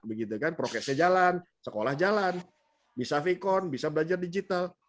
begitu kan prokesnya jalan sekolah jalan bisa vkon bisa belajar digital